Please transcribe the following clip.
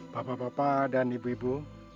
bapak bapak dan ibu ibu